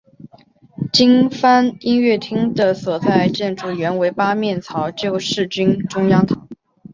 金帆音乐厅的所在建筑原为八面槽救世军中央堂。